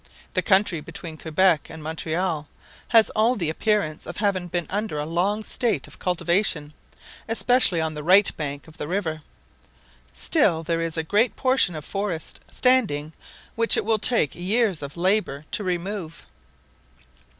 The country between Quebec and Montreal has all the appearance of having been under a long state of cultivation, especially on the right bank of the river. Still there is a great portion of forest standing which it will take years of labour to remove.